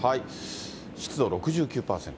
湿度６９％。